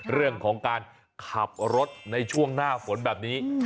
เรื่องของการขับรถในช่วงหน้าฝนแบบนี้